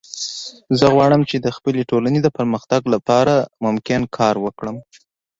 زه غواړم چې د خپلې ټولنې د پرمختګ لپاره هر ممکن کار وکړم